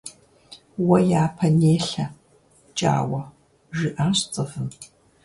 Уэ япэ нелъэ, ПкӀауэ, - жиӀащ ЦӀывым.